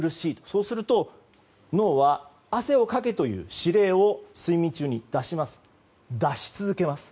そうすると脳は汗をかけという指令を睡眠中に出し続けます。